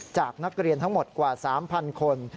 จากนักเรียนทั้งหมดกว่า๓๐๐คน